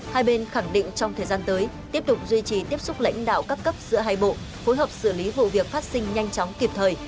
hai bên khẳng định trong thời gian tới tiếp tục duy trì tiếp xúc lãnh đạo các cấp giữa hai bộ phối hợp xử lý vụ việc phát sinh nhanh chóng kịp thời